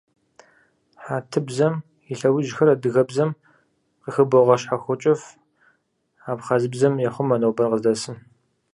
Хьэтыбзэм и лъэужьхэр адыгэбзэм къыхыбогъэщхьэхукӀыф, абхъазыбзэм ехъумэ нобэр къыздэсым.